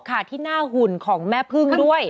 ค่ะที่หน้ารวมของแม่พึ่งด้วย